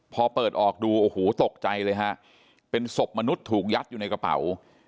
พอเปิดออกดูโอ้โหตกใจเลยฮะเป็นศพมนุษย์ถูกยัดอยู่ในกระเป๋า